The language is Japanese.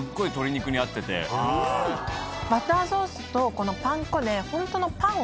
バターソースとこのパン粉で。